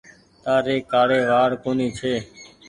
تآري ڪآڙي وآڙ ڪونيٚ ڇي۔